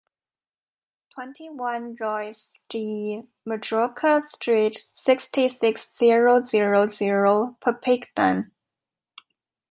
Twenty-one, Rois de Majorque Street, sixty-six zero zero zero Perpignan.